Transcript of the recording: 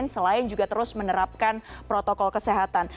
selain juga terus menerapkan protokol kesehatan